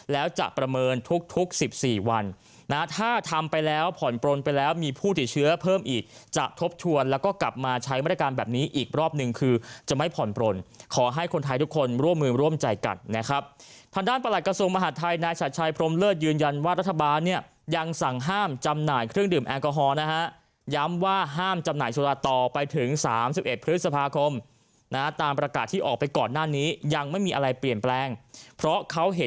แล้วจะประเมินทุก๑๔วันนะถ้าทำไปแล้วผ่อนปลนไปแล้วมีผู้ติดเชื้อเพิ่มอีกจะทบทวนแล้วก็กลับมาใช้บริการแบบนี้อีกรอบหนึ่งคือจะไม่ผ่อนปลนขอให้คนไทยทุกคนร่วมมือร่วมใจกันนะครับทางด้านประหลักกระทรวงมหาธัยนายชาชัยพรมเลิศยืนยันว่ารัฐบาลเนี่ยยังสั่งห้ามจำหน่ายเครื่องดื่มแอลกอ